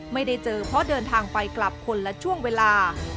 ไม่ได้เจอเพราะเดินทางไปกลับคนละช่วงเวลา